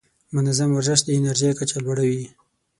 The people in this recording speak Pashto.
منظم ورزش د انرژۍ کچه لوړه وي.